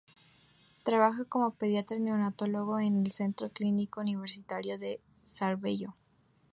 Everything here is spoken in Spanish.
Trabaja como pediatra-neonatólogo en el Centro Clínico Universitario de Sarajevo.